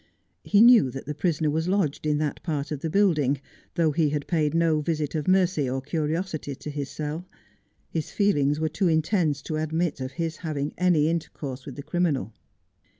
He knew that the prisoner was lodged in that part of the building, though he had paid no visit of mercy or curiosity to his cell. His feelings were too intense to admit of his having any intercourse with the criminal.